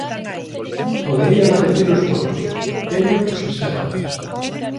podería repetilos todos, teño o sistema.